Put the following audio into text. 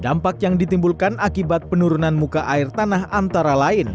dampak yang ditimbulkan akibat penurunan muka air tanah antara lain